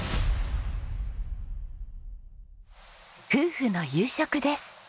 夫婦の夕食です。